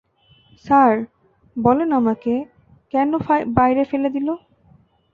Sir, বলেন আমাকে, কেন বাইরে ফেলে দিলো?